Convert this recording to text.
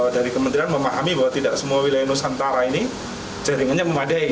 dari kementerian memahami bahwa tidak semua wilayah nusantara ini jaringannya memadai